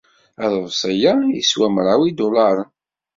Aḍebsi-a yeswa mraw n yidulaṛen.